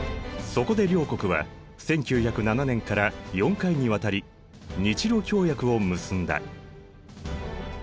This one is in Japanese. そこで両国は１９０７年から４回にわたり日露協約を結んだ。